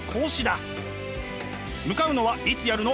向かうのはいつやるの？